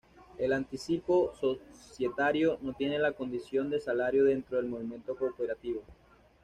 El anticipo societario no tiene la condición de salario dentro del movimiento cooperativo.